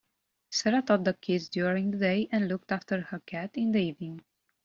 Sarah taught kids during the day and looked after her cats in the evening.